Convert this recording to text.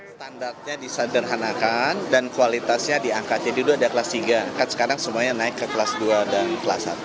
standarnya disederhanakan dan kualitasnya diangkat jadi itu ada kelas tiga kan sekarang semuanya naik ke kelas dua dan kelas satu